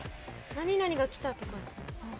何々がきたとか。